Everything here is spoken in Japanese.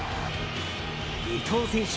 伊東選手